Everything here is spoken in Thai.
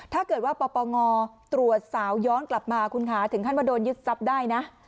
ถ้าเกิดว่าปปงตรวจสาวย้อนกลับมาคุณค่ะถึงขั้นว่าโดนยึดทรัพย์ได้นะ